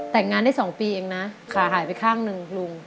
แต่งงานได้๒ปีเองนะขาหายไปข้างหนึ่งลุง